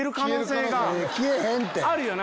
消えへんって！